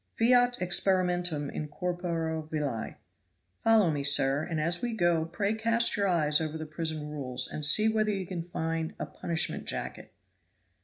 'Fiat experimentum in corpore vili.' Follow me, sir; and as we go pray cast your eyes over the prison rules, and see whether you can find 'a punishment jacket.'